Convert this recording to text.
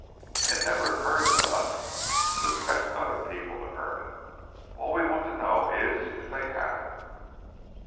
And it never occurs to us to expect other people to earn it—all we want to know is if they have it."